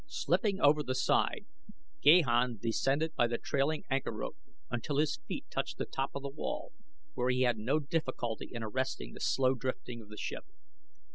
Slipping over the side Gahan descended by the trailing anchor rope until his feet touched the top of the wall, where he had no difficulty in arresting the slow drifting of the ship.